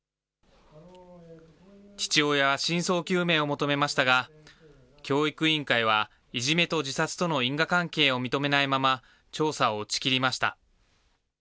父親は真相究明を求めましたが、教育委員会はいじめと自殺との因果関係を認めないまま、調査を打ち切りました。